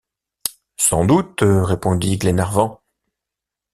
Sans doute, répondit Glenarvan.